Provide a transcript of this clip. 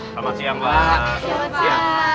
selamat siang pak